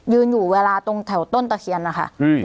ยืนอยู่เวลาตรงแถวต้นตะเทียนอ่ะค่ะอืม